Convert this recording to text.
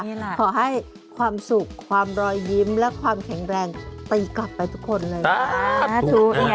ขอให้ความสุขความรอยยิ้มและความแข็งแรงตีกลับไปทุกคนเลย